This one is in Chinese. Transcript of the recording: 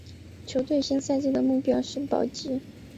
球队新赛季的目标是保级。